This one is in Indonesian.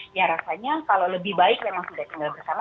ya rasanya kalau lebih baik memang sudah tinggal bersama